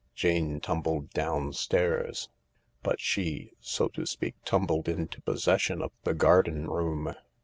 Jane tumbled downstairs : but she, so to speak, tumbled into possession of the garden room.